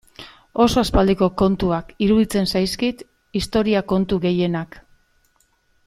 Oso aspaldiko kontuak iruditzen zaizkit historia kontu gehienak.